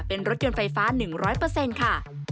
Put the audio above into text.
เป็นรถยนต์ไฟฟ้า๑๐๐ค่ะ